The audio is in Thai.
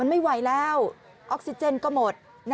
ไม่ไหวแล้วออกซิเจนก็หมด